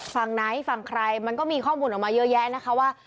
ฝั่งไหนฝั่งใครมันก็มีข้อมูลออกมาเยอะแยะนะคะว่า